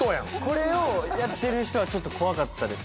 これをやってる人はちょっと怖かったです